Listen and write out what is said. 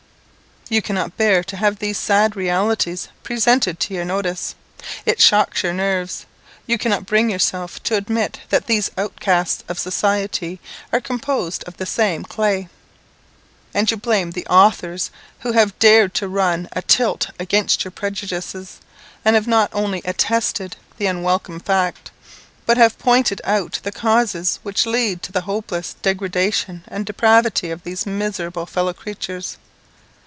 You cannot bear to have these sad realities presented to your notice. It shocks your nerves. You cannot bring yourself to admit that these outcasts of society are composed of the same clay; and you blame the authors who have dared to run a tilt against your prejudices, and have not only attested the unwelcome fact, but have pointed out the causes which lead to the hopeless degradation and depravity of these miserable fellow creatures.